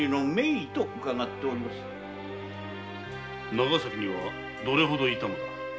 長崎にはどれほど居たのだ？